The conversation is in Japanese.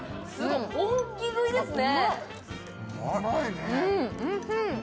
本気食いですね。